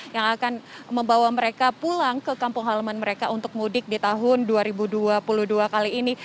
yang akan membawa mereka pulang ke kampung halaman mereka untuk mudik di tahun dua ribu dua puluh dua kali ini